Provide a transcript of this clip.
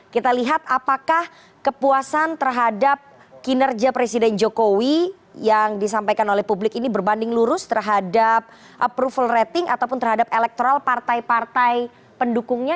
kita lihat apakah kepuasan terhadap kinerja presiden jokowi yang disampaikan oleh publik ini berbanding lurus terhadap approval rating ataupun terhadap elektoral partai partai pendukungnya